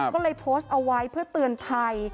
ก็เลยโพสต์เอาไว้เพื่อเตือนภัย